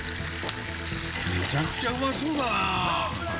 めちゃくちゃうまそうだな。